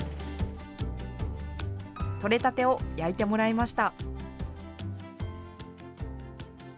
取れたてを焼いてもらいました。